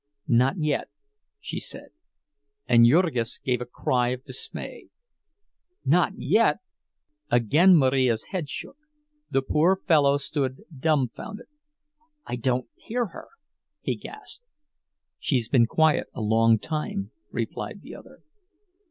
"Not yet," she said. And Jurgis gave a cry of dismay. "Not yet?" Again Marija's head shook. The poor fellow stood dumfounded. "I don't hear her," he gasped. "She's been quiet a long time," replied the other.